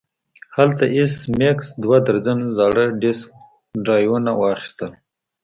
هلته ایس میکس دوه درجن زاړه ډیسک ډرایوونه واخیستل